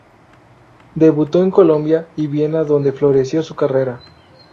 Debutó en Colonia y Viena donde floreció su carrera.